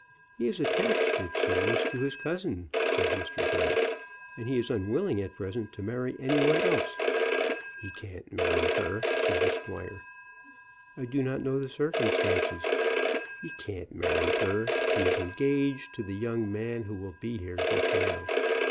He is attached, it seems, to his cousin," said Mr. Grey, "and he is unwilling at present to marry any one else." "He can't marry her," said the squire. "I do not know the circumstances." "He can't marry her. She is engaged to the young man who will be here just now.